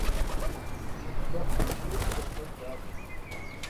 Шагъдийм зейм и дамыгъэр традзэрт.